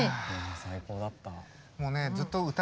最高だった。